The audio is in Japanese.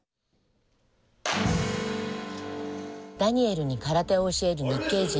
ダニエルに空手を教える日系人